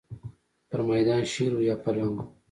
پر مېدان شېر و یا پلنګ و.